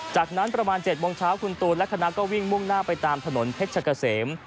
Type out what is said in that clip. จากนั้นประมาณ๗โมงเช้าคุณตูนและคณะก็วิ่งมุ่งหน้าไปตามถนนเพชรกะเสม